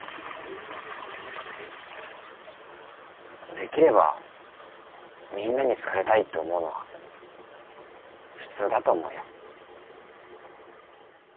できればみんなに好かれたいって思うのは普通だと思うよ。